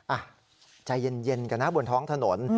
อ่ะใจเย็นกันนะบนท้องถนน